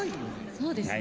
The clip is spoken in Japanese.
そうですね